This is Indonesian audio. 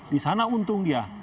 di sana untung dia